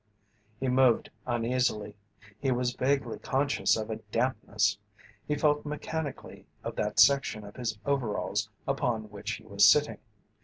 He moved uneasily. He was vaguely conscious of a dampness. He felt mechanically of that section of his overalls upon which he was sitting.